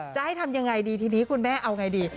จะให้ทำยังไงดีทีนี้คุณแม่เอาไงดี